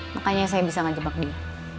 makanya saya bisa ngejebak dia